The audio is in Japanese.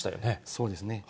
そうですね。